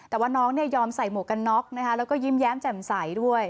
แต่ว่าน้องยอมใส่หมวกกันน็อกนะคะแล้วก็ยิ้มแย้มแจ่มใสด้วย